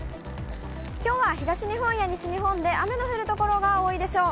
きょうは東日本や西日本で雨の降る所が多いでしょう。